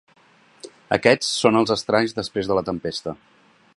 Aquests són els estralls després de la tempesta.